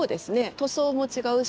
塗装も違うし。